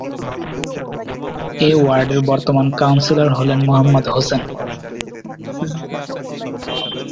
এ ওয়ার্ডের বর্তমান কাউন্সিলর হলেন মোহাম্মদ হোসেন।